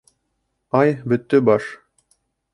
Ай, бөттө баш!